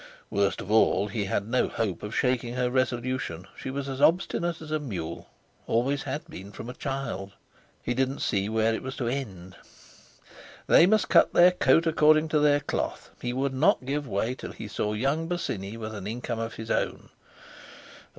Worst of all, he had no hope of shaking her resolution; she was as obstinate as a mule, always had been from a child. He didn't see where it was to end. They must cut their coat according to their cloth. He would not give way till he saw young Bosinney with an income of his own.